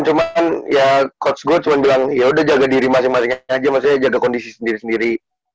cuman ya coach gue cuma bilang yaudah jaga diri masing masing aja maksudnya jaga kondisi sendiri sendiri